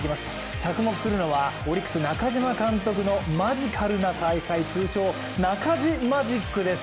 着目するのはオリックス・中嶋監督の采配、通称、ナカジマジックです。